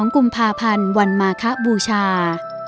๒กุมภาพันธ์วันมาคบูชา